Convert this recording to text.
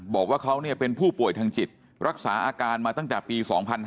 บอกว่าเขาเป็นผู้ป่วยทางจิตรักษาอาการมาตั้งแต่ปี๒๕๕๙